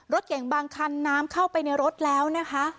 รถเก่งบางคันน้ำเข้าไปในรถแล้วนะคะ